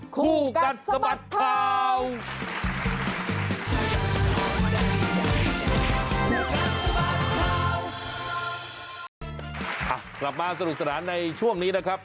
กลับมาสรุปสรร้างในช่วงนี้นะครับ